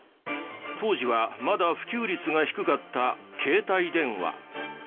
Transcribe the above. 当時はまだ普及率が低かった携帯電話。